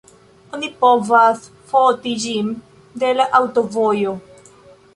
Oni povas foti ĝin de la aŭtovojo.